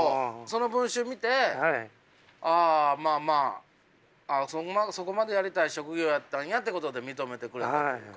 その文集見てああまあまあそこまでやりたい職業やったんやっていうことで認めてくれたという。